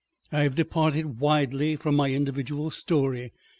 I have departed widely from my individual story.